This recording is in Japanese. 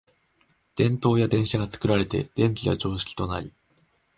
電燈や電車が作られて電気は常識となり、